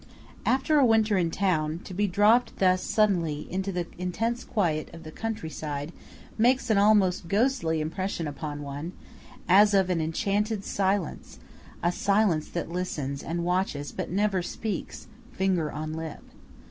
After a winter in the town, to be dropped thus suddenly into the intense quiet of the country side makes an almost ghostly impression upon one, as of an enchanted silence, a silence that listens and watches but never speaks, finger on lip.